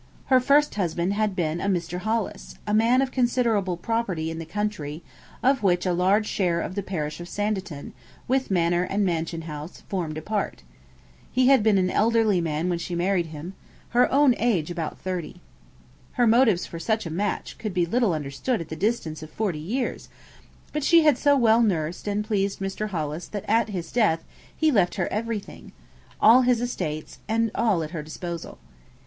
Her first husband had been a Mr. Hollis, a man of considerable property in the country, of which a large share of the parish of Sanditon, with manor and mansion house, formed a part. He had been an elderly man when she married him; her own age about thirty. Her motives for such a match could be little understood at the distance of forty years, but she had so well nursed and pleased Mr. Hollis that at his death he left her everything all his estates, and all at her disposal.